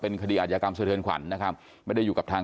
เป็นการน่าจะเตรียมสงสัยที่อยู่กัน